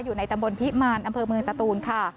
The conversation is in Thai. อยู่ในตำบลพิมารอำเภอเมืองสตูนค่ะ